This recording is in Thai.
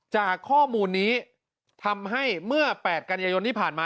จากข้อมูลนี้ทำให้เมื่อ๘กันยายนที่ผ่านมา